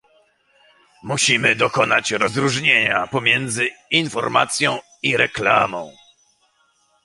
Musimy dokonać rozróżnienia pomiędzy informacją i reklamą